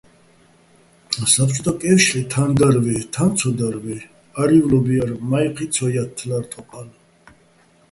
საბჭოთაკეჲვშრე თან დარ ვაჲ, თან ცო დაგერ ვაჲ, არი́ვლობა́ ჲარ, მაჲჴი̆ ცო ჲათთლა́რ თოყა́ლ.